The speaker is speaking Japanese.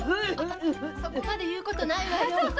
そこまで言うことないわよ。